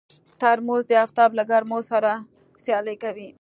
ترموز د افتاب له ګرمو سره سیالي کوي.